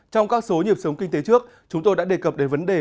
trong các số nhịp sống kinh tế trước chúng tôi đã đề cập đến vấn đề